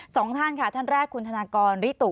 สองท่านค่ะท่านแรกคุณธนากรริตุ